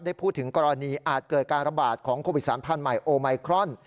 พูดถึงกรณีอาจเกิดการระบาดของโควิดสามพันธุ์ใหม่โอไมครอน